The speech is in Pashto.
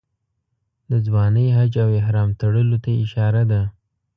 د ځوانۍ حج او احرام تړلو ته اشاره ده.